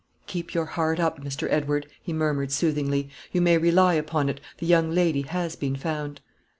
"Keep your heart up, Mr. Edward," he murmured, soothingly; "you may rely upon it, the young lady has been found."